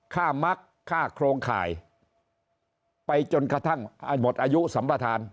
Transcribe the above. มักค่าโครงข่ายไปจนกระทั่งหมดอายุสัมปทาน